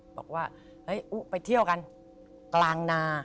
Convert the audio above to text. บอกว่าไปเที่ยวกันกลางนา